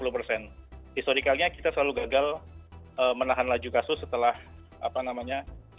historicalnya kita selalu gagal menahan laju kasus setelah apa namanya